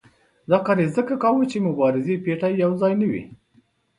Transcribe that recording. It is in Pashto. دا کار یې ځکه کاوه چې مبارزې پېټی یو ځای نه وي.